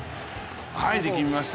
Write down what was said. はい、力みました。